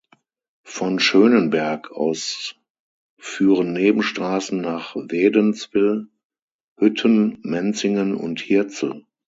Von Schönenberg aus führen Nebenstrassen nach Wädenswil, Hütten, Menzingen und Hirzel.